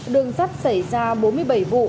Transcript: đường sắt xảy ra bốn mươi bảy vụ